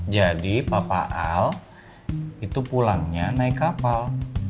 jadi papa al itu pulangnya naik kapal